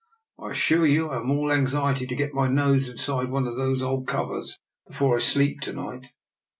I assure you I am all anxiety to get my nose inside one of those old covers before I sleep to night."